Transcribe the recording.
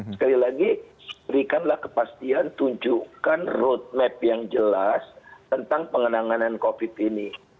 sekali lagi berikanlah kepastian tunjukkan roadmap yang jelas tentang pengenangan covid ini